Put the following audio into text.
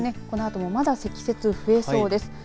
このあともまだ積雪、増えそうです。